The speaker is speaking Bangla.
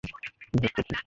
কি হচ্ছে কি?